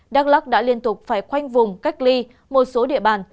đắk lắc đã liên tục phải khoanh vùng cách ly một số địa bàn